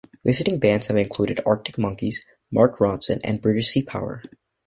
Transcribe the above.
Visiting bands have included Arctic Monkeys, Mark Ronson and British Sea Power.